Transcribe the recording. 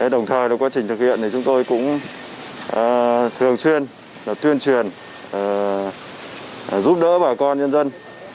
đồng thời trong quá trình thực hiện thì chúng tôi cũng thường xuyên tuyên truyền giúp đỡ bà con nhân dân